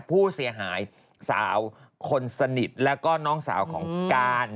ผู้เสียหายสาวคนสนิทแล้วก็น้องสาวของการ